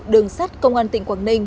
đường sát công an tỉnh quảng ninh